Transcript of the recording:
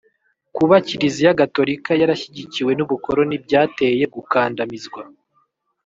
Kuba Kiliziya gatolika yarashyigikiwe n'ubukoloni byateye gukandamizwa